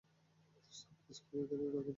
দোস্ত, এককাজ করি, এখানে না করি।